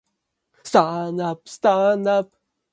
Agra district is a part of Agra division.